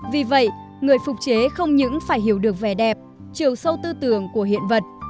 vì vậy người phục chế không những phải hiểu được vẻ đẹp chiều sâu tư tưởng của hiện vật